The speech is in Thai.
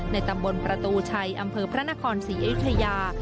ตำบลประตูชัยอำเภอพระนครศรีอยุธยา